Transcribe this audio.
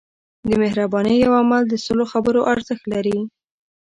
د مهربانۍ یو عمل د سلو خبرو ارزښت لري.